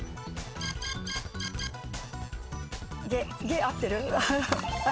ゲ合ってる？